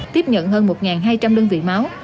tiếp nhận hơn một hai trăm linh đơn vị máu